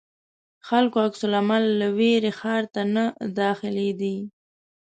خلکو عکس العمل له وېرې ښار ته نه داخلېدی.